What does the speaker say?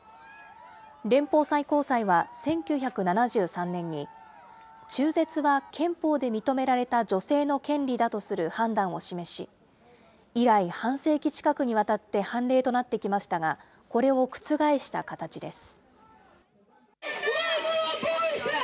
連邦最高裁は１９７３年に、中絶は憲法で認められた女性の権利だとする判断を示し、以来、半世紀近くにわたって判例となってきましたが、これを覆した形です。